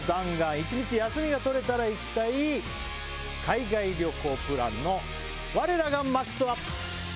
１日休みが取れたら行きたい海外旅行プランの我らがＭＡＸは？